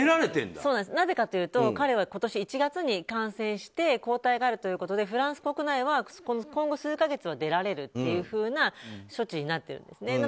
なぜかというと彼は今年１月に感染して抗体があるということでフランス国内は今後、数か月は出られるというふうな処置になっているんですね。